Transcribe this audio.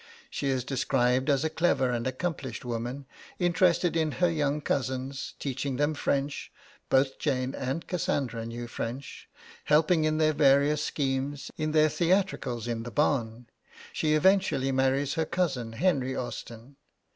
She is described as a clever and accomplished woman, interested in her young cousins, teaching them French (both Jane and Cassandra knew French), helping in their various schemes, in their theatricals in the barn. She eventually marries her cousin, Henry Austen.